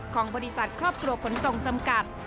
ของมดิศัตริย์ครอบครัวคนทรงจำกัด